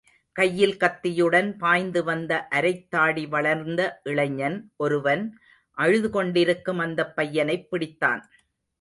கையில் கத்தியுடன் பாய்ந்து வந்த அரைத்தாடி வளர்ந்த இளைஞன் ஒருவன் அழுது கொண்டிருக்கும் அந்தப் பையனைப் பிடித்தான்.